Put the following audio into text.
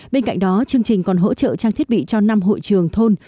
bên cạnh đó chương trình còn hỗ trợ trang thiết bị cho năm hội trường thôn